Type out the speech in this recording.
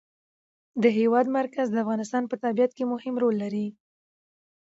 د هېواد مرکز د افغانستان په طبیعت کې مهم رول لري.